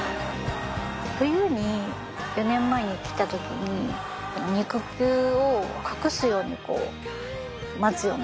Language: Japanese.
冬に４年前に来た時に肉球を隠すようにこう待つようなしぐさだったり。